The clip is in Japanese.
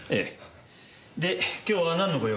で今日はなんのご用件で？